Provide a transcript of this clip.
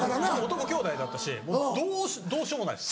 男兄弟だったしどうしようもないです。